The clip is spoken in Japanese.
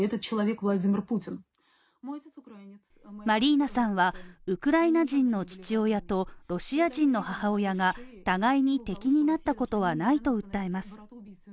マリーナさんはウクライナ人の父親と、ロシア人の母親が互いに敵になったことはないと訴えます。